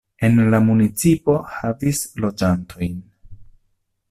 En la municipo havis loĝantojn.